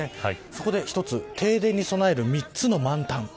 そこで一つ停電に備える、３つの満タン。